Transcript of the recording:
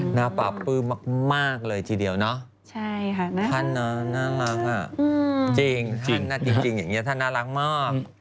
หน้าปลาปื้นมากเลยทีเดียวเนอะท่านน่ารักมากจริงอย่างนี้ท่านน่ารักมาก